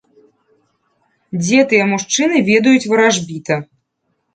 Дзе тыя мужчыны ведаюць варажбіта!